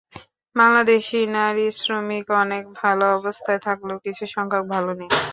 বাংলাদেশি নারী শ্রমিক অনেকে ভালো অবস্থায় থাকলেও কিছু সংখ্যক ভালো নেই।